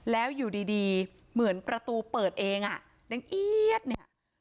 แล้วอยู่ดีเหมือนประตูเปิดเองอ่ะยังเอี๊ยดเนี่ย